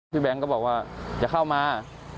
พี่แบงก็บอกว่าอย่าเข้ามา